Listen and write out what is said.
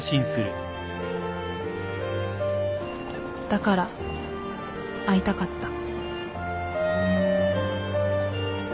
だから会いたかった